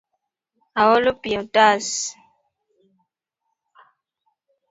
Aolo pi e otas